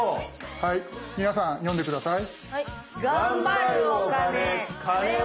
はい皆さん読んで下さい！